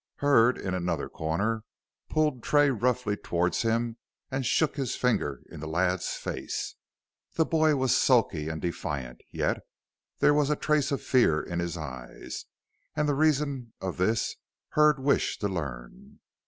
Hurd, in another corner, pulled Tray roughly towards him, and shook his finger in the lad's face. The boy was sulky and defiant, yet there was a trace of fear in his eyes, and the reason of this Hurd wished to learn.